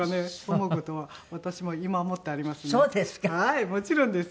はいもちろんです。